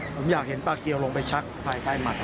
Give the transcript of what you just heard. ผมอยากเห็นปลาเกียวลงไปชักภายหมัด